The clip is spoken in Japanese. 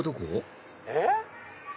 えっ？